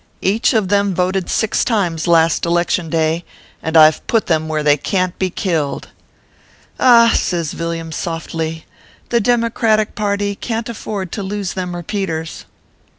Each of them voted six times last election day, and I ve put them where they can t be killed. Ah !" says Villiam, softly, "the Democratic party can t afford to lose them Repeaters."